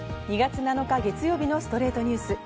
２月７日、月曜日の『ストレイトニュース』。